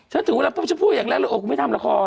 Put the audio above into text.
ฉันถึงเวลาพบฉันพูดอย่างแรกเลยโอ๊ยไม่ทำละคร